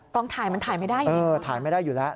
กล้องถ่ายมันถ่ายไม่ได้ถ่ายไม่ได้อยู่แล้ว